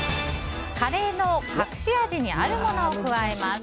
カレーの隠し味にあるものを加えます。